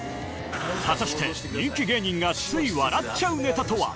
果たして人気芸人がつい笑っちゃうネタとは？